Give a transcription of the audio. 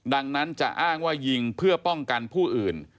ดังนั้นจะอ้างว่ายิงเพื่อป้องกันผู้อื่น